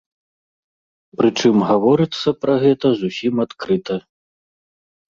Прычым гаворыцца пра гэта зусім адкрыта.